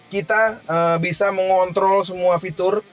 kita bisa mengontrol semua fitur